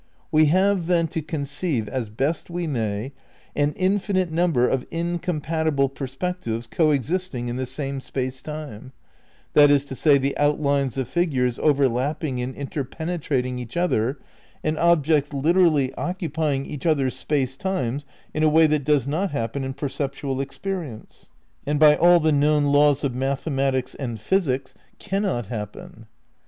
We have then to conceive, as best we may, an infinite num ber of incompatible perspectives co existing in the same Space Time ; that is to say, the outlines of figures overlapping and interpenetrating each other, and ob jects literally occupying each other's space times in a way that does not happen in perceptual experience, and by all the known laws of mathematics and physics can 228 THE NEW IDEALISM vi not happen.